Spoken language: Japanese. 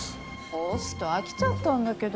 ホスト飽きちゃったんだけど。